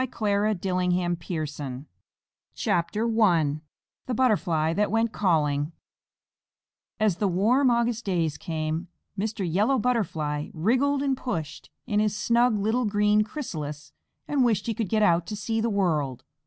CLARA DILLINGHAM PIERSON. Stanton, Michigan, April 8th, 1897. THE BUTTERFLY THAT WENT CALLING As the warm August days came, Mr. Yellow Butterfly wriggled and pushed in his snug little green chrysalis and wished he could get out to see the world.